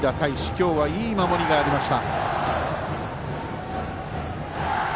今日はいい守りがありました。